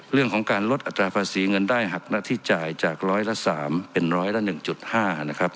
เรื่องของการลดอัตราภาษีเงินได้หักหน้าที่จ่ายจากร้อยละ๓เป็นร้อยละ๑๕นะครับ